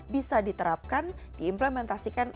bisa diterapkan diimplementasikan